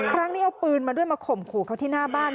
ครั้งนี้เอาปืนมาด้วยมาข่มขู่เขาที่หน้าบ้าน